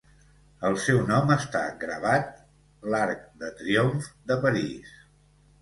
El seu nom està gravat l'Arc de Triomf de París.